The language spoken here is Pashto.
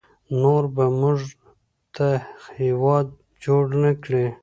نور به موږ ته هیواد جوړ نکړي